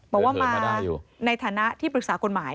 บอกว่ามาในฐานะที่ปรึกษากฎหมาย